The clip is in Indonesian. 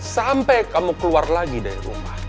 sampai kamu keluar lagi dari rumah